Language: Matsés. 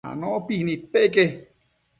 Anopi nidpeque